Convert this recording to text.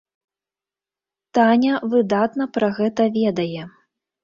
Таня выдатна пра гэта ведае.